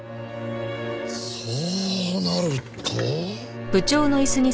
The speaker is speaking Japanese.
そうなると。